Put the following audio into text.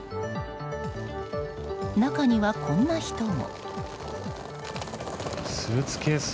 中には、こんな人も。